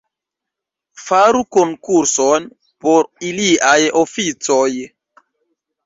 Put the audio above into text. Faru konkurson por iliaj oficoj.